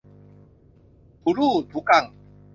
ถูลู่ถูกัง